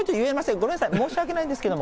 ごめんなさい、申し訳ないんですけど。